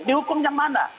dihukum yang mana